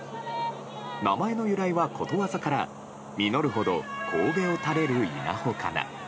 名前の由来は、ことわざから実るほどこうべを垂れる稲穂かな。